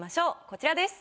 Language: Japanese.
こちらです。